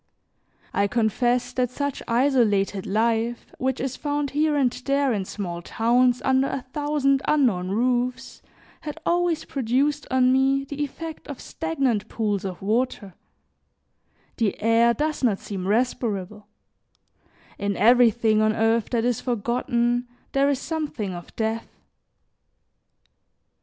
I confess that such isolated life, which is found here and there in small towns, under a thousand unknown roofs, had always produced on me the effect of stagnant pools of water; the air does not seem respirable: in everything on earth that is forgotten, there is something of death.